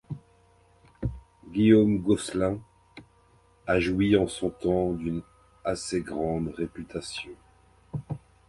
Guillaume Gosselin a joui en son temps d’une assez grande réputation.